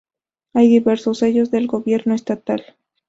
Hay diversos sellos del Gobierno Estatal.